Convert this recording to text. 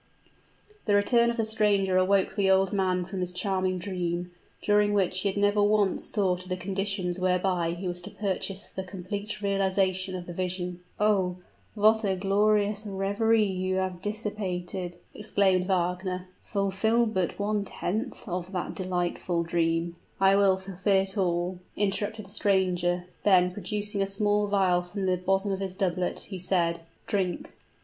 The return of the stranger awoke the old man from his charming dream, during which he had never once thought of the conditions whereby he was to purchase the complete realization of the vision. "Oh! what a glorious reverie you have dissipated!" exclaimed Wagner. "Fulfill but one tenth part of that delightful dream " "I will fulfill it all!" interrupted the stranger: then, producing a small vial from the bosom of his doublet, he said, "Drink!"